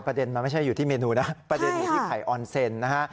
ประเด็นมันไม่ใช่อยู่ที่เมนูนะประเด็นอยู่ที่ไข่ออนเซ็นนะฮะ